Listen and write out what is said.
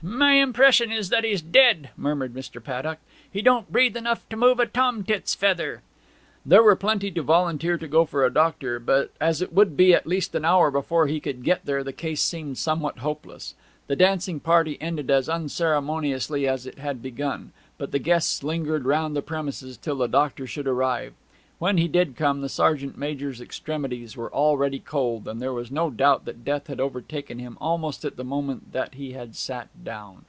'My impression is that he's dead!' murmured Mr. Paddock. 'He don't breathe enough to move a tomtit's feather.' There were plenty to volunteer to go for a doctor, but as it would be at least an hour before he could get there the case seemed somewhat hopeless. The dancing party ended as unceremoniously as it had begun; but the guests lingered round the premises till the doctor should arrive. When he did come the sergeant major's extremities were already cold, and there was no doubt that death had overtaken him almost at the moment that he had sat down.